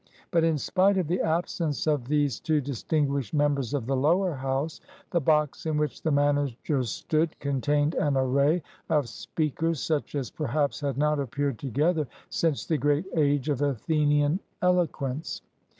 But, in spite of the absence of these two distinguished members of the Lower House, the box in which the managers stood contained an array of speakers such as perhaps had not appeared together since the great age of Athenian eloquence.